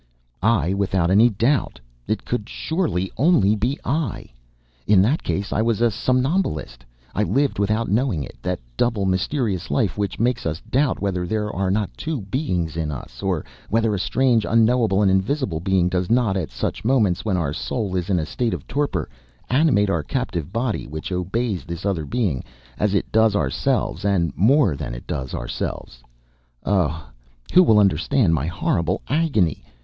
I without any doubt. It could surely only be I? In that case I was a somnambulist, I lived, without knowing it, that double mysterious life which makes us doubt whether there are not two beings in us, or whether a strange, unknowable and invisible being does not at such moments, when our soul is in a state of torpor, animate our captive body which obeys this other being, as it does us ourselves, and more than it does ourselves. Oh! Who will understand my horrible agony?